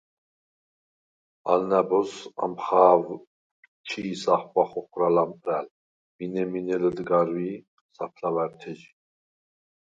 ალ ნა̈ბოზს ამხა̄ვ ჩი̄ ახღვა ხოხვრა ლამპრა̈ლ, მინე-მინე ლჷდგარვი̄ საფლავა̈რთეჟი.